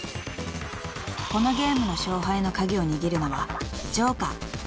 ［このゲームの勝敗の鍵を握るのはジョーカー］